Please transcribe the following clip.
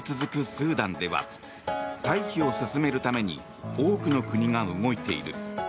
スーダンでは退避を進めるために多くの国が動いている。